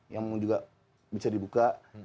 yang juga bisa dibuka